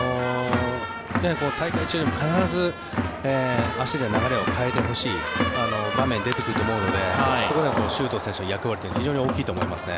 大会中、必ず足で流れを変えてほしい場面が出てくると思うのでそこではこの周東選手の役割は大きいと思いますね。